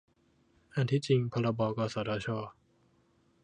อันที่จริง พรบ กสทช